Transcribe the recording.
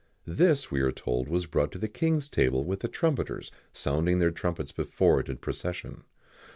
This, we are told, was brought to the king's table with the trumpeters sounding their trumpets before it in procession.